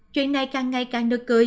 chuyện này càng ngày càng nức cười